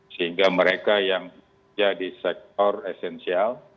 sehingga mereka yang jadi sektor esensial